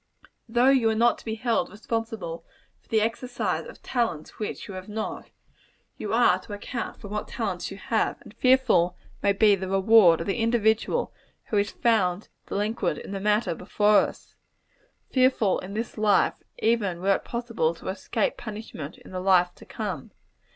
Though you are not to be held responsible for the exercise of talents which you have not, you are to account for what talents you have; and fearful may be the reward of the individual who is found delinquent in the matter before us; fearful in this life, even were it possible to escape punishment in the life to come.